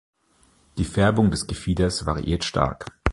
Die Färbung des Gefieders variiert stark.